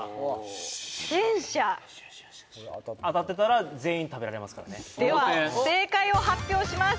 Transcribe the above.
「戦車」当たってたら全員食べられますからねでは正解を発表します